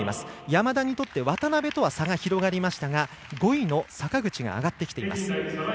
山田にとって渡部とは差が広がりましたが５位の坂口があがってきています。